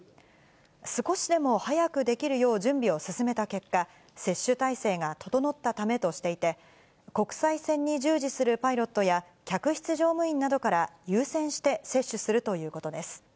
少しでも早くできるよう準備を進めた結果、接種体制が整ったためとしていて、国際線に従事するパイロットや、客室乗務員などから優先して接種するということです。